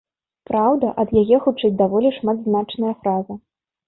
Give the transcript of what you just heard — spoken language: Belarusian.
Праўда, ад яе гучыць даволі шматзначная фраза.